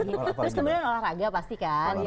terus kemudian olahraga pasti kan